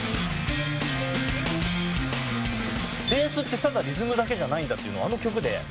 ベースってただリズムだけじゃないんだっていうのをあの曲で。